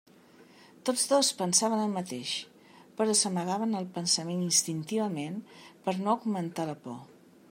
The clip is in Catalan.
Tots dos pensaven el mateix, però s'amagaven el pensament instintivament per no augmentar la por.